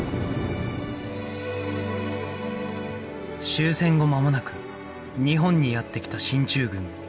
終戦後まもなく日本にやって来た進駐軍